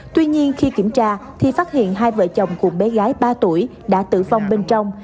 tuy nhiên khi kiểm tra thì phát hiện hai vợ chồng cùng bé gái ba tuổi đã tử vong bên trong